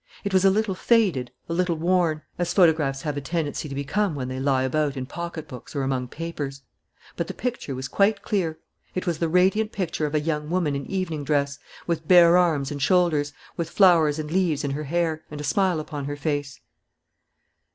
It was a little faded, a little worn, as photographs have a tendency to become when they lie about in pocket books or among papers; but the picture was quite clear. It was the radiant picture of a young woman in evening dress, with bare arms and shoulders, with flowers and leaves in her hair and a smile upon her face.